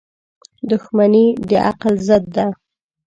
• دښمني د عقل ضد ده.